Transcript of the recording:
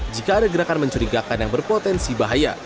jika ada gerakan mencurigakan yang berpotensi bahaya